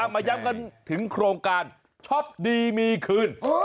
มาย้ำกันถึงโครงการช็อปดีมีคืน